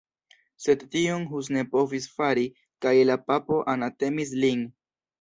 Sed tion Hus ne povis fari kaj la papo anatemis lin.